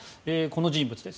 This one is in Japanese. この人物です。